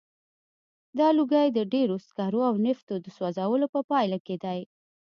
دا لوګی د ډبرو سکرو او نفتو د سوځولو په پایله کې دی.